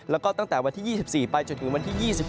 แล้วก็ตั้งแต่วันที่๒๔ไปจนถึงวันที่๒๖